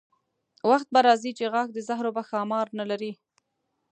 وخت به راځي چې غاښ د زهرو به ښامار نه لري.